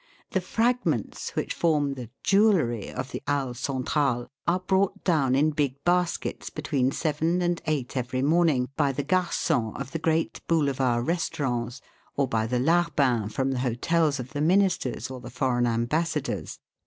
"The fragments which form the 'jewellery' of the Halles Centrales, are brought down in big baskets between seven and eight every morning by the garfons of the great Boulevard restaurants, or by the larbins from the hotels of the Ministers or the foreign Ambassadors."